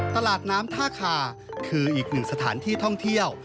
ตลาดน้ำท่าคาคืออีกหนึ่งสถานที่ท่องเที่ยว